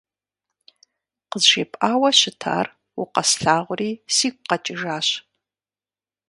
КъызжепӀауэ щытар, укъэслъагъури, сигу къэкӀыжащ.